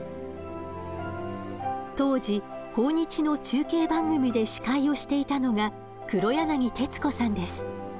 当時訪日の中継番組で司会をしていたのが黒柳徹子さんです。